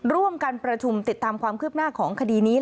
ร่วมกันประชุมติดตามความคืบหน้าของคดีนี้